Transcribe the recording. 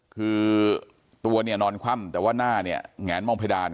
คือตัวเนี่ยนอนคว่ำแต่ว่าหน้าเนี่ยแหงมองเพดาน